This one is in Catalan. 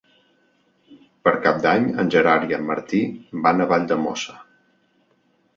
Per Cap d'Any en Gerard i en Martí van a Valldemossa.